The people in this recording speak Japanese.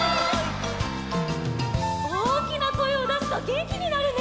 おおきなこえをだすとげんきになるね！